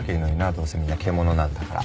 どうせみんな獣なんだから。